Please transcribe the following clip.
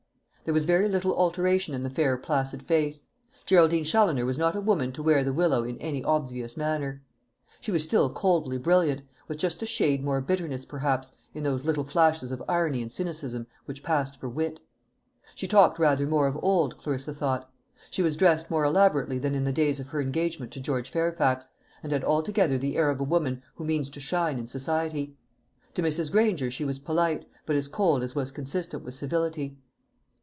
There was very little alteration in the fair placid face. Geraldine Challoner was not a woman to wear the willow in any obvious manner. She was still coldly brilliant, with just a shade more bitterness, perhaps, in those little flashes of irony and cynicism which passed for wit. She talked rather more than of old, Clarissa thought; she was dressed more elaborately than in the days of her engagement to George Fairfax, and had altogether the air of a woman who means to shine in society. To Mrs. Granger she was polite, but as cold as was consistent with civility.